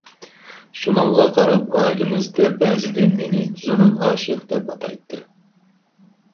شۇنىڭغا قاراپ ئائىلىمىزدە بەزىدە مېنى« زۇنۇن ئاشىق» دەپ ئاتايتتى.